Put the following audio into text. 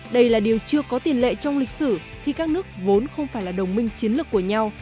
đây là điều chưa có tiền lệ trong lịch sử khi các nước vốn không phải là đồng minh chiến lược của nhau